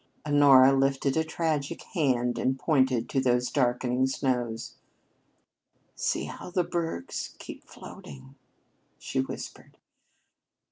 Honora lifted a tragic hand and pointed to those darkening snows. "See how the bergs keep floating!" she whispered.